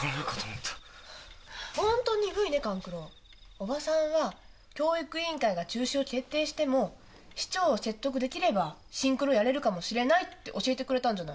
おばさんは教育委員会が中止を決定しても市長を説得できればシンクロやれるかもしれないって教えてくれたんじゃない。